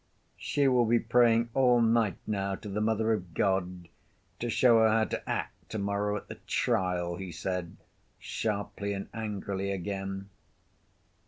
"She will be praying all night now to the Mother of God to show her how to act to‐morrow at the trial," he said sharply and angrily again.